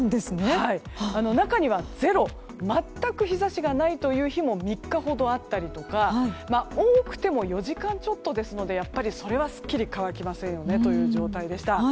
中にはゼロ全く日差しがないという日も３日ほどあったりとか多くても４時間ちょっとですのでやっぱり、それはすっきり乾きませんよねという状態でした。